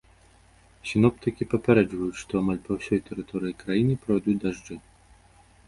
Сіноптыкі папярэджваюць, што амаль па ўсёй тэрыторыі краіны пройдуць дажджы.